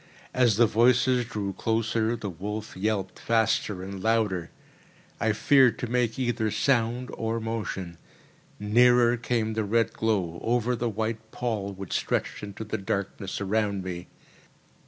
As the voices drew closer, the wolf yelped faster and louder. I feared to make either sound or motion. Nearer came the red glow, over the white pall which stretched into the darkness around me.